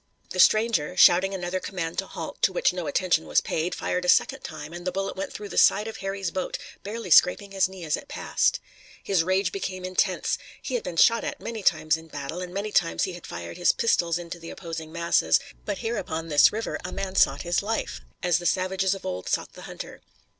The stranger, shouting another command to halt, to which no attention was paid, fired a second time, and the bullet went through the side of Harry's boat, barely scraping his knee as it passed. His rage became intense. He had been shot at many times in battle, and many times he had fired his pistols into the opposing masses, but here upon this river a man sought his life, as the savages of old sought the hunter.